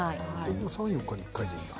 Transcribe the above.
でも３、４日に１回でいいんだ。